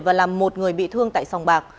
và làm một người bị thương tại sòng bạc